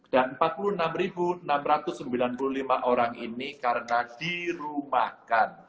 dan empat puluh enam enam ratus sembilan puluh lima orang ini karena dirumahkan